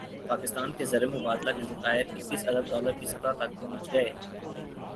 پاکستان کے زرمبادلہ کے ذخائر اکیس ارب ڈالر کی سطح تک پہنچ گئے